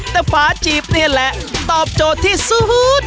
แต่ฝาจีบนี่แหละตอบโจทย์ที่สุด